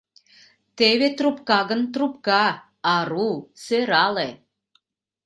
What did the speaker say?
Теве трубка гын, трубка: ару, сӧрале...